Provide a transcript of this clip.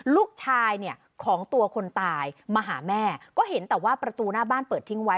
ลูกชายเนี่ยของตัวคนตายมาหาแม่ก็เห็นแต่ว่าประตูหน้าบ้านเปิดทิ้งไว้